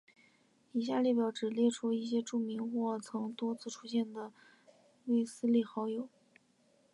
以下列表只列出一些著名的或曾多次出现的卫斯理好友。